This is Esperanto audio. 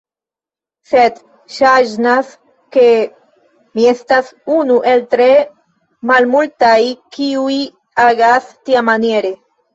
Sed saĵnas ke mi estas unu el tre malmultaj kiuj agas tiamaniere.